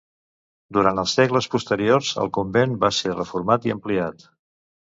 Durant els segles posteriors el convent va ser reformat i ampliat.